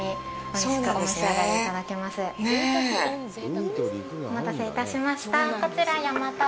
お待たせいたしました。